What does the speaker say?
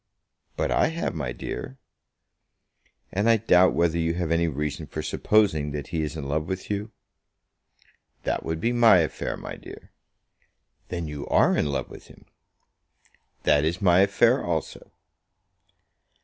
"But I have, my dear." "And I doubt whether you have any reason for supposing that he is in love with you." "That would be my affair, my dear." "Then you are in love with him?" "That is my affair also."